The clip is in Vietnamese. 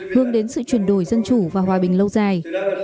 hướng đến sự chuyển đổi dân chủ và hòa bình lâu dài